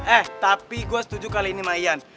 eh tapi gue setuju kali ini sama ian